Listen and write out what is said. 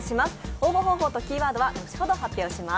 応募方法とキーワードは後ほど発表します。